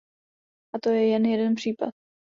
A to je jen jeden případ.